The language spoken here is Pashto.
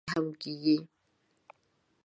اظهار به يې د انسانانو په وړاندې هم کېږي.